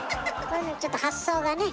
これねちょっと発想がね。